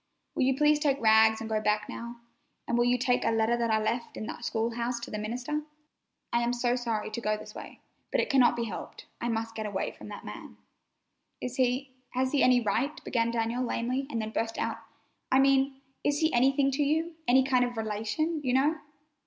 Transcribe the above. Will you please take Rags and go back now, and will you take a letter that I left in the school house to the minister? I am so sorry to go this way, but it cannot be helped. I must get away from that man." "Is he—has he any right?" began Daniel lamely and then burst out: "I mean, is he anything to you—any kind of relation, you know?"